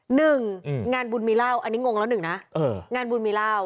หนึ่งงานบุญมีเหล้าอันนี้งงแล้วหนึ่งนะงานบุญมีเหล้า